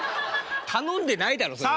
頼んでないだろそれは。